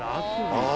ああ